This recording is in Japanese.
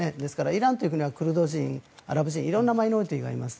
イランというのはクルド人、アラブ人色んなマイノリティーがいます。